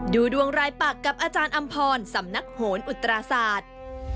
ดูดวงรายปักกับอาจารย์อำพรสำนักโหนอุตราศาสตร์